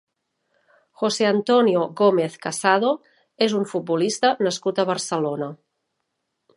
José Antonio Gómez Casado és un futbolista nascut a Barcelona.